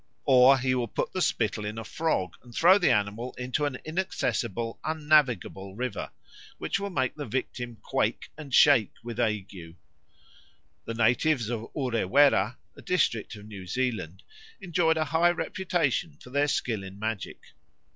Or he will put the spittle in a frog and throw the animal into an inaccessible, unnavigable river, which will make the victim quake and shake with ague. The natives of Urewera, a district of New Zealand, enjoyed a high reputation for their skill in magic.